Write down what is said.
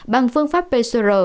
bằng phương pháp pcr